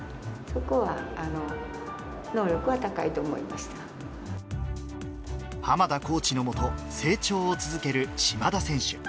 そこは、濱田コーチの下、成長を続ける島田選手。